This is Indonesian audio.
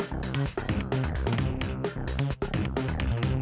kalau tak hasta saat ini